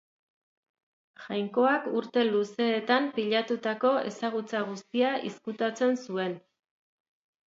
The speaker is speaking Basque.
Jainkoak urte luzeetan pilatutako ezagutza guztia izkutatzen zuen.